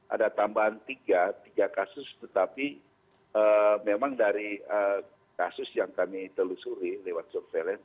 ada tambahan tiga tiga kasus tetapi memang dari kasus yang kami telusuri lewat surveillance